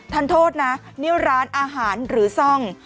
ท่านโทษนะนี่ร้านอาหารหรือซ่อง